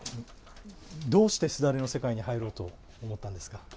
どうして簾の世界に入ろうと思ったんですか？